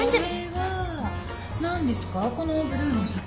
このブルーのお酒。